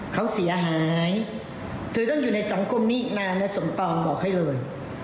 เขาเสียหายเธอต้องอยู่ในสังคมนี้นานและสมปองบอกให้เลย